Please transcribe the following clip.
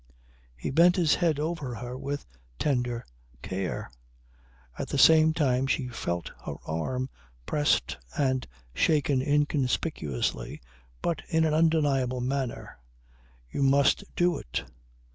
He bent his head over her with tender care. At the same time she felt her arm pressed and shaken inconspicuously, but in an undeniable manner. "You must do it."